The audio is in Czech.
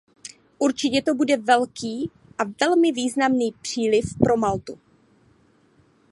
Určitě to bude velký a velmi významný příliv pro Maltu.